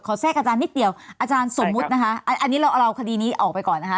แทรกอาจารย์นิดเดียวอาจารย์สมมุตินะคะอันนี้เราเอาคดีนี้ออกไปก่อนนะคะ